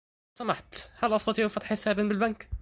لو سمحت، هل أستطيع فَتْحَ حسابٍ بالبنك؟